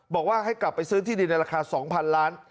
บอกว่าให้กลับไปซื้อที่ดินในราคา๒๐๐๐ล้าน